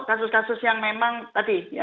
kasus kasus yang memang tadi